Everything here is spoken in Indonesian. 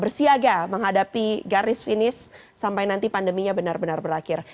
bersiaga menghadapi garis finish sampai nanti pandeminya benar benar berakhir